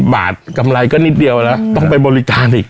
บาทกำไรก็นิดเดียวแล้วต้องไปบริการอีก